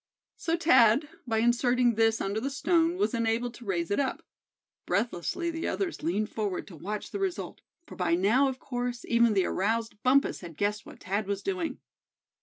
So Thad, by inserting this under the stone, was enabled to raise it up. Breathlessly the others leaned forward to watch the result; for by now of course even the aroused Bumpus had guessed what Thad was doing.